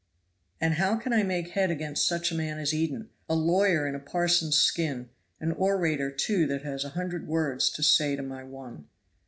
"And how can I make head against such a man as Eden a lawyer in a parson's skin, an orator too that has a hundred words to say to my one?"